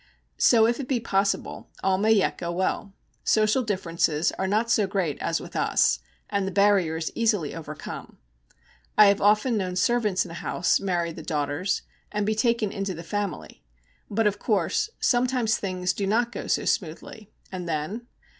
So if it be possible all may yet go well. Social differences are not so great as with us, and the barrier is easily overcome. I have often known servants in a house marry the daughters, and be taken into the family; but, of course, sometimes things do not go so smoothly. And then?